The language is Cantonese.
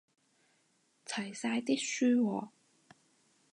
齊晒啲書喎